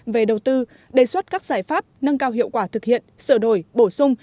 về đầu tư đề xuất các giải pháp nâng cao hiệu quả thực hiện sửa đổi bổ sung